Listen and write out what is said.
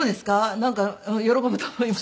なんか喜ぶと思います。